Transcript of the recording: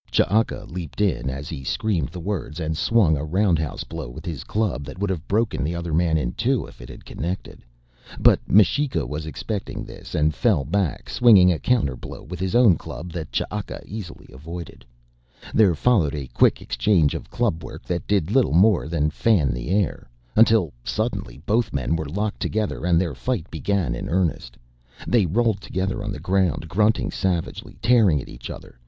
Ch'aka leaped in as he screamed the words and swung a roundhouse blow with his club that would have broken the other man in two if it had connected. But M'shika was expecting this and fell back, swinging a counter blow with his own club that Ch'aka easily avoided. There followed a quick exchange of club work that did little more than fan the air, until suddenly both men were locked together and the fight began in earnest. They rolled together on the ground grunting savagely, tearing at each other.